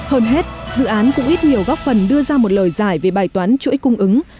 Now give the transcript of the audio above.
hơn hết dự án cũng ít nhiều góp phần đưa ra một lời giải về bài toán chuỗi cung ứng